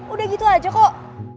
udah gitu aja kok